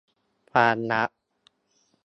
ความรัก